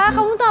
dan menurut aku